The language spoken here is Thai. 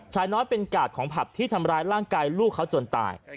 ชายน้อยเป็นกาดของผับที่ทำร้ายร่างกายลูกเขาจนตาย